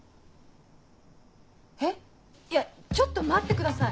えっいやちょっと待ってください。